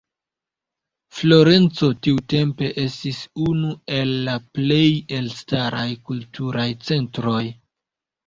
Florenco tiutempe estis unu el la plej elstaraj kulturaj centroj.